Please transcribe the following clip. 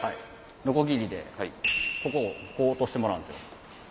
ノコギリでここをこう落としてもらうんですよ。